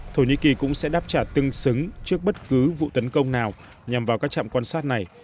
thổ nhĩ kỳ cũng sẽ đáp trả tương xứng trước bất cứ vụ tấn công nào nhằm vào các trạm quan sát này